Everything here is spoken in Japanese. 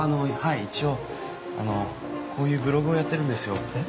一応こういうブログをやってるんですよ。